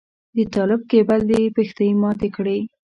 د طالب کيبل دې پښتۍ ماتې کړې.